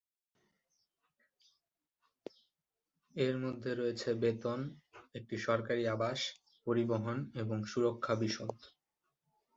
এর মধ্যে রয়েছে বেতন, একটি সরকারী আবাস, পরিবহন এবং সুরক্ষা বিশদ।